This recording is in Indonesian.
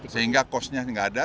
sehingga kosnya nggak ada